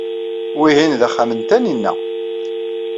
Wihin d axxam n Taninna.